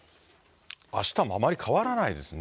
あしたもあまり変わらないですね。